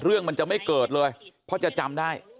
เรื่องมันจะไม่เกิดเลยเพราะจะจำได้